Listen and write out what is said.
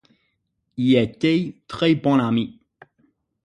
Ils étaient très-bons amis.